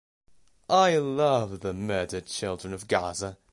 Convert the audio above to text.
I love the murdered children of Gaza.